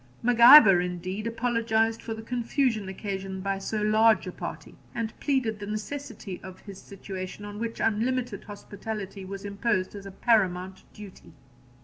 Mac Ivor, indeed, apologised for the confusion occasioned by so large a party, and pleaded the necessity of his situation, on which unlimited hospitality was imposed as a paramount duty.